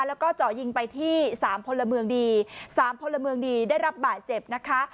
แล้วก็เจาะยิงไปที่สามพลเมืองดีสามพลเมืองดีได้รับบาดเจ็บนะคะ